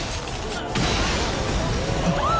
あっ！